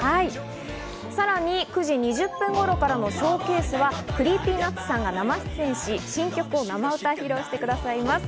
さらに９時２０分頃からのＳＨＯＷＣＡＳＥは、ＣｒｅｅｐｙＮｕｔｓさんが生出演し、新曲を生歌披露してくださいます。